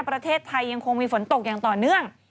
ประเทศไทยยังคงมีฝนตกอย่างต่อเนื่อง